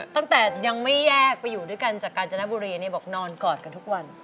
ตั้งแต่ยังไม่แยกไปอยู่ด้วยกันจากกาญจนบุรีบอกนอนกอดกันทุกวัน